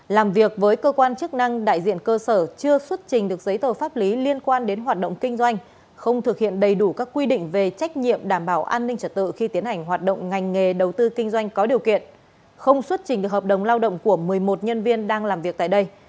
làm việc với cơ quan chức năng đại diện cơ sở chưa xuất trình được giấy tờ pháp lý liên quan đến hoạt động kinh doanh không thực hiện đầy đủ các quy định về trách nhiệm đảm bảo an ninh trật tự khi tiến hành hoạt động ngành nghề đầu tư kinh doanh có điều kiện không xuất trình được hợp đồng lao động của một mươi một nhân viên đang làm việc tại đây